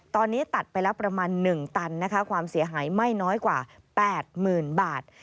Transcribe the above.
ตอนนี้ตัดไปแล้วประมาณ๑ตันนะคะความเสียหายไม่น้อยกว่า๘๐๐๐บาท